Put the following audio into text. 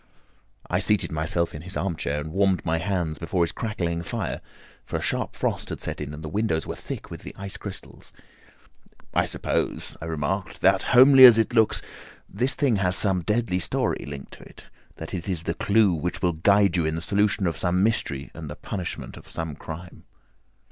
I seated myself in his armchair and warmed my hands before his crackling fire, for a sharp frost had set in, and the windows were thick with the ice crystals. "I suppose," I remarked, "that, homely as it looks, this thing has some deadly story linked on to it—that it is the clue which will guide you in the solution of some mystery and the punishment of some crime."